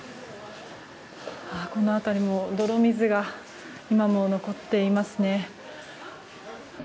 この辺りも泥水が今も残っていますね。